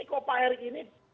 ini kok pak erick ini